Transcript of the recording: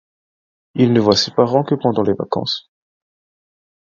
Il ne voit ses parents que pendant les vacances.